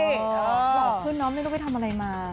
หล่อขึ้นน้องไม่ต้องไปทำอะไรมา